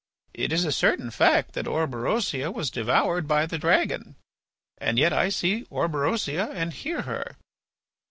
It is a certain fact that Orberosia was devoured by the dragon. And yet I see Orberosia and hear her.